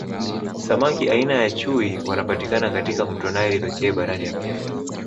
Samaki aina ya chui wanapatikana katika mto naili pekee barani Africa